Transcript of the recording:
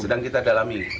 sedang kita dalami